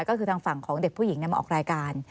ก็คือทางฝั่งของเด็กผู้หญิงมาออกรายการ